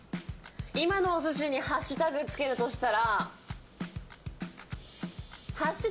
今のお寿司にハッシュタグをつけるとしたら。